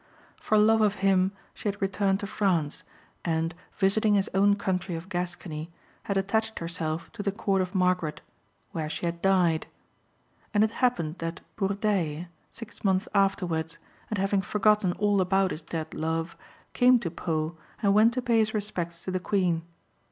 For love of him she had returned to France, and, visiting his own country of Gascony, had attached herself to the Court of Margaret, where she had died. And it happened that Bourdeilles, six months afterwards, and having forgotten all about his dead love, came to Pau and went to pay his respects to the Queen.